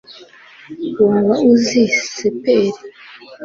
waba uzi cpr